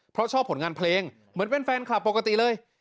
เพราะชอบผลงานเพลงเหมือนเป็นแฟนคลับปกติเลย